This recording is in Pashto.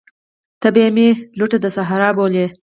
ته به مي لوټه د صحرا بولې